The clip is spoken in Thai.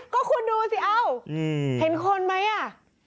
ก็คุณดูสิเอ้าเห็นคนไหมอ่ะ